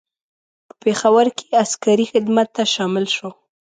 په پېښور کې عسکري خدمت ته شامل شو.